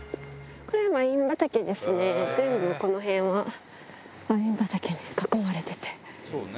これ、ワイン畑ですね、全部この辺はワイン畑に囲まれてて。